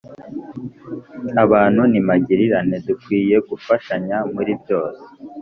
Abantu ni magirirane dukwiye gufashanya muri byose